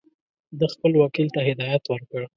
ده خپل وکیل ته هدایت ورکړ.